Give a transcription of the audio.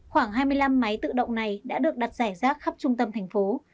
khoảng hai mươi năm máy tự động này đã được đặt giải rác khắp trung tâm thành phố